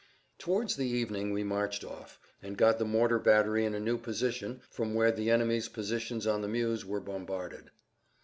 Towards the evening we marched off, and got the mortar battery in a new position from where the enemy's positions on the Meuse were bombarded.